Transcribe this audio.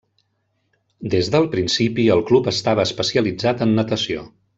Des del principi el club estava especialitzat en natació.